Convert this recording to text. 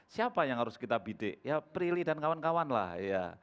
siapa yang harus kita bidik ya prilly dan kawan kawan lah ya